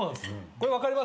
これ分かりますよね？